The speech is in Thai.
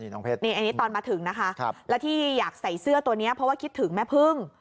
อันนี้ตอนมาถึงนะคะแล้วที่อยากใส่เสื้อตัวนี้เพราะว่าคิดถึงแม่พึ่ง